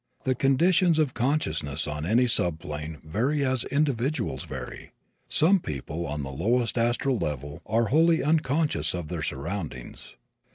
The conditions of consciousness on any subplane vary as individuals vary. Some people on the lowest astral level are wholly unconscious of their surroundings.